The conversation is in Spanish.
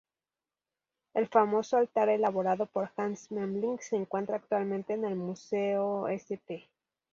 El famoso altar elaborado por Hans Memling se encuentra actualmente en el Museo St.